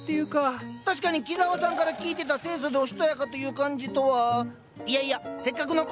確かに木沢さんから聞いてた清楚でおしとやかという感じとはいやいやせっかくの恋！